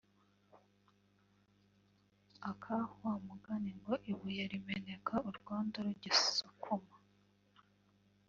aka wa mugani ngo “ibuye rimeneka urwondo rugisukuma”